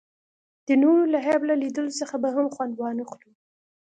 د نورو له عیب له لیدلو څخه به هم خوند وانخلو.